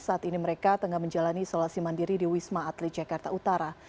saat ini mereka tengah menjalani isolasi mandiri di wisma atlet jakarta utara